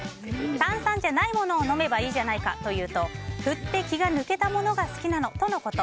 炭酸じゃないものを飲めばいいじゃないかと言うと振って、気が抜けたものが好きなのとのこと。